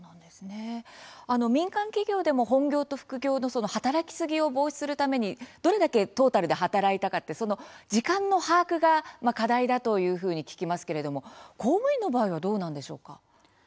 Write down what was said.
民間企業でも本業と副業の働きすぎを防止するためにどれだけトータルで働いたか時間の把握が課題だというふうに聞きますけれども公務員の場合はどうなんでしょうか。